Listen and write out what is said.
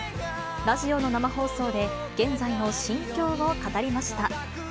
ラジオの生放送で、現在の心境を語りました。